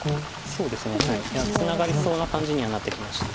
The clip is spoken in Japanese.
いやツナがりそうな感じにはなってきました。